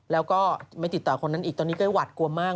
แล้วก็ไม่ติดต่อคนนั้นอีกตอนนี้ก็เลยหวัดกลัวมาก